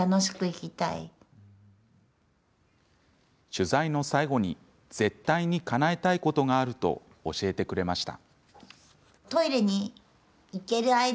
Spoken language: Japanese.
取材の最後に絶対にかなえたいことがあると教えてくれました。